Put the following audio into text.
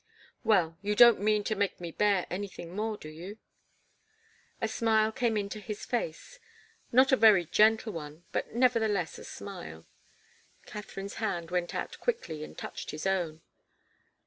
Well, you don't mean to make me bear anything more, do you?" A smile came into his face, not a very gentle one, but nevertheless a smile. Katharine's hand went out quickly and touched his own.